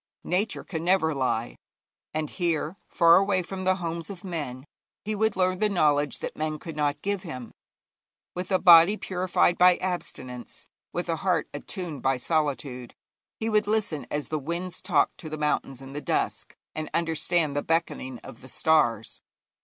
Nature can never lie, and here, far away from the homes of men, he would learn the knowledge that men could not give him. With a body purified by abstinence, with a heart attuned by solitude, he would listen as the winds talked to the mountains in the dusk, and understand the beckoning of the stars.